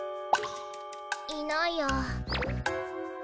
いないや。